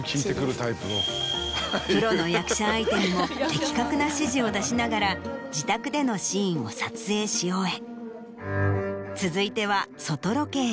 プロの役者相手にも的確な指示を出しながら自宅でのシーンを撮影し終え続いては外ロケへ。